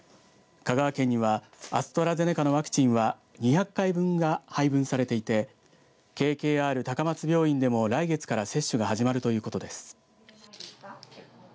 香川県には、アストラゼネカのワクチンは２００回分が配分されていてＫＫＲ高松病院でも来月から接種が始まるということです。